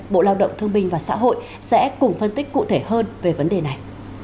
bộ lao động thương binh và xã hội sẽ cùng phân tích cụ thể hơn về vấn đề này